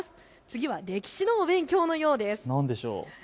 次は歴史の勉強のようです。